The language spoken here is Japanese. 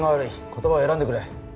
言葉を選んでくれ。